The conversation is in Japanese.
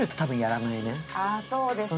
ああそうですよね。